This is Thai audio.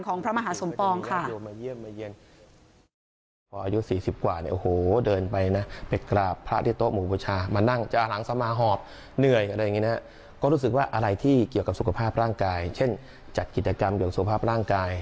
เขารู้สึกว่าอะไรที่เกี่ยวกับสุขภาพร่างกายเช่นจัดกิจกรรมอย่างสุขภาพร่างกาย